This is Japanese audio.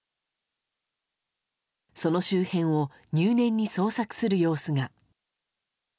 その周辺を入念に捜索する様子が。